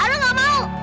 aru enggak mau